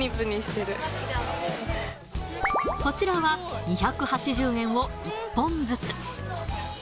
こちらは、２８０円を１本ずつ。